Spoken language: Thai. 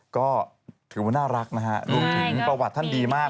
ก็ถือว่าน่ารักนะฮะรวมถึงประวัติท่านดีมาก